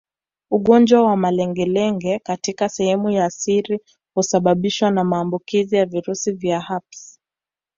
Ugonjwa wa malengelenge katika sehemu za siri husababishwa na maambukizi ya virusi vya herpes